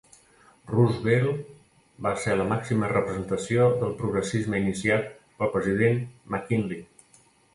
Roosevelt va ser la màxima representació del progressisme iniciat pel president McKinley.